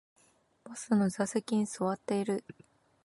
バスの座席に座っている